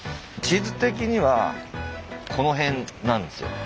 地図的にはこの辺なんですよ。